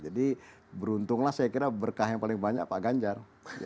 jadi beruntunglah saya kira berkah yang paling banyak pak ganjar